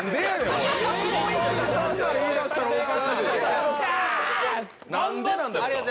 そんなん言い出したらおかしいでしょう。